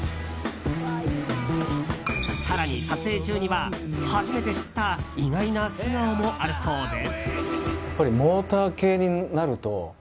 更に撮影中には、初めて知った意外な素顔もあるそうで。